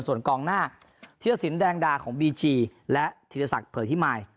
ส่วนกองหน้าธิรสินแดงดาของบีจีและธีรศักดิ์เผยพิมาย